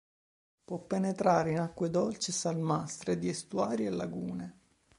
Può penetrare in acque dolci e salmastre di estuari e lagune.